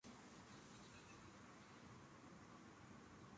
Como consecuencia, la Tierra se llenó de maldad y violencia.